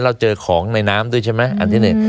เราเจอของในน้ำด้วยใช่ไหมอันที่หนึ่ง